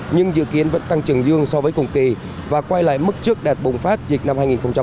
nhưng dự kiến vẫn tăng trưởng dương so với cùng kỳ và quay lại mức trước đạt bùng phát dịch năm hai nghìn một mươi chín